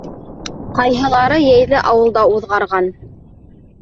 Ҡайһылары йәйҙе ауылда уҙғарған.